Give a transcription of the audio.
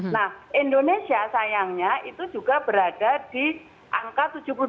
nah indonesia sayangnya itu juga berada di angka tujuh puluh dua